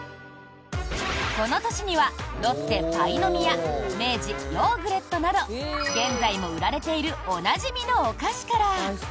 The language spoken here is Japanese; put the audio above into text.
この年にはロッテ、パイの実や明治、ヨーグレットなど現在も売られているおなじみのお菓子から。